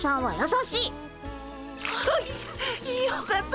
あよかった。